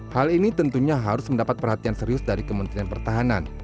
hal ini tentunya harus mendapat perhatian serius dari kementerian pertahanan